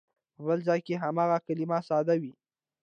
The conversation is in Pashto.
په بل ځای کې هماغه کلمه ساده وي.